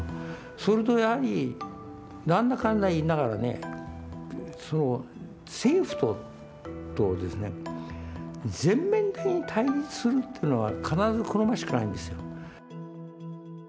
それとやはり何だかんだ言いながら政府と全面的に対立するっていうのは必ず好ましくないんですよ。